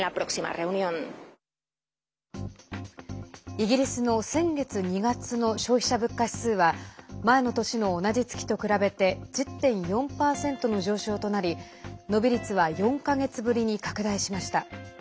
イギリスの先月２月の消費者物価指数は前の年の同じ月と比べて１０．４％の上昇となり伸び率は４か月ぶりに拡大しました。